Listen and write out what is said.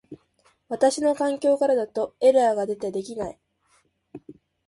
私の環境からだとエラーが出て出来ない